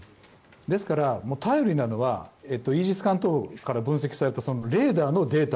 ですから、頼りなのはイージス艦等から分析されたそのレーダーのデータ。